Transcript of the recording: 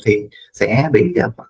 thì sẽ bị